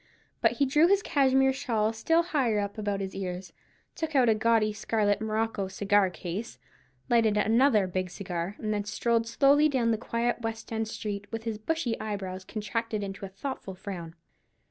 But he drew his cashmere shawl still higher up about his ears, took out a gaudy scarlet morocco cigar case, lighted another big cigar, and then strolled slowly down the quiet West end street, with his bushy eyebrows contracted into a thoughtful frown.